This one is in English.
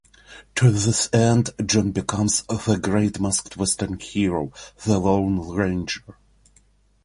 To this end, John becomes the great masked western hero, The Lone Ranger.